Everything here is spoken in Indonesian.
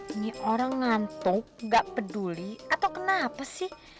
ini orang ngantuk gak peduli atau kenapa sih